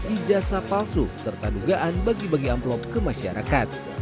ijasa palsu serta dugaan bagi bagi amplop ke masyarakat